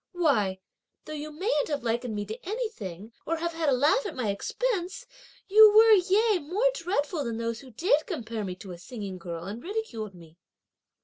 why, though you mayn't have likened me to anything, or had a laugh at my expense, you were, yea more dreadful than those who did compare me (to a singing girl) and ridiculed me!"